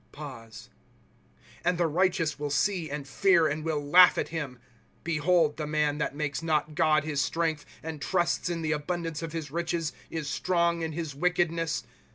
* And the righteous will see, and fear. And will laugh at him :' Behold the man, That makes not God his strength, And trusts In the abundance of his riclies. Is strong in his wickedness.